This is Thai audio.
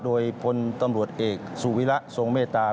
โดยพลตำรวจเอกสุฤทธิ์วิรัติโทงเมตตา